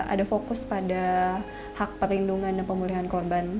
ada fokus pada hak perlindungan dan pemulihan korban